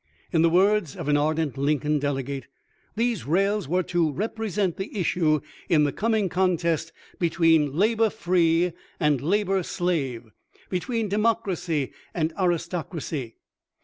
In the words of an ardent Lincoln delegate, " These rails were to represent the issue in the coming contest between labor free and labor slave ; between democracy and aristocracy.